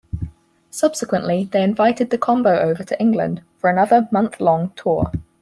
Subsequently, they invited the Combo over to England for another month-long tour.